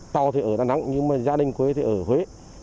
to thì ở đà nẵng nhưng mà gia đình huế thì ở huế